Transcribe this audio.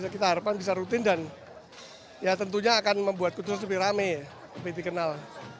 kita harapkan bisa rutin dan ya tentunya akan membuat kudus lebih rame lebih dikenal